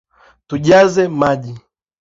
Tujaze maji